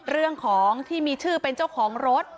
เรื่องของที่มีชื่อเป็นเจ้าของรถ